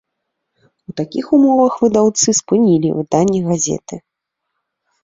У такіх умовах выдаўцы спынілі выданне газеты.